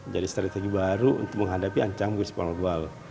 jadi strategi baru untuk menghadapi ancaman krisis pangan global